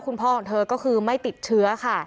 คุณอุพาทุรงค์ของเธอก็คือไม่ติดเชื้อค่ะ